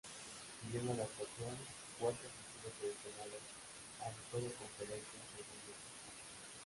Siguiendo la estación, Huertas estuvo seleccionado al Todo-Conferencia Segundo Equipo.